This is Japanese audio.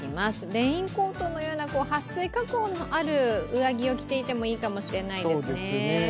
レインコートのようなはっ水加工のある上着を着てもいいかもしれないですね。